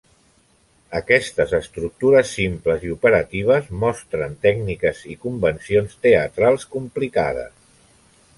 Aquestes estructures simples i operatives mostren tècniques i convencions teatrals complicades.